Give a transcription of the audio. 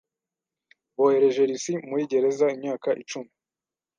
Bohereje Lucy muri gereza imyaka icumi.